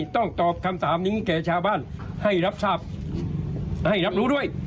ต้องตอบคำถามนี้แก่ชาวบ้านให้รับทราบให้รับรู้ด้วย